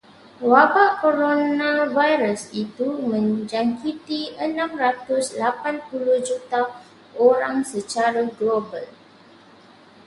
Wabak koronavirus itu menjangkiti enam ratus lapan puluh juta orang secara global.